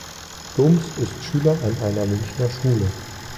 Doms ist Schüler an einer Münchener Schule.